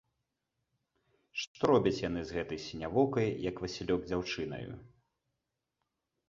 Што робяць яны з гэтай сінявокай, як васілёк, дзяўчынаю?